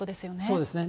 そうですね。